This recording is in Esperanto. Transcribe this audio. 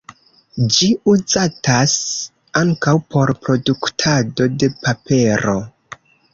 Ĝi uzatas ankaŭ por produktado de papero.